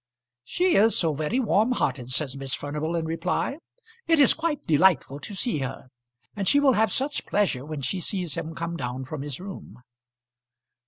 "She is so very warm hearted," said Miss Furnival in reply. "It is quite delightful to see her. And she will have such pleasure when she sees him come down from his room."